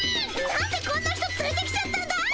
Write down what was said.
なんでこんな人つれてきちゃったんだい？